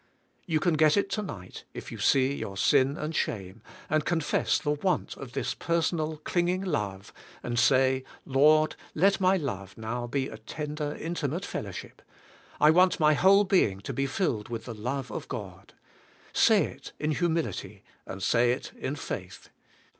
You can get it to night if you see your sin and shame, and confess the want of this personal, clinging love, and say. Lord, let my love now be a tender, intimate fellowship; I want my whole being to be filled with the love of G od. Say it in humility and say it in faith.